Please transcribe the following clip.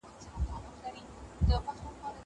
زه له سهاره کتابونه لوستل کوم!